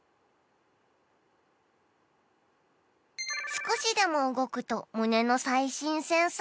「少しでも動くと胸の最新センサーが」